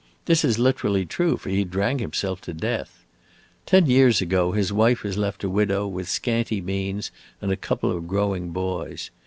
This is literally true, for he drank himself to death. Ten years ago his wife was left a widow, with scanty means and a couple of growing boys.